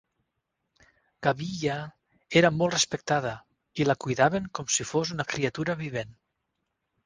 Gabija era molt respectada, i la cuidaven com si fos una criatura vivent.